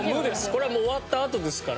これは終わったあとですから。